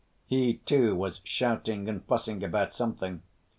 He, too, was shouting and fussing about something.